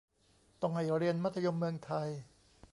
ต้องให้เรียนมัธยมเมืองไทย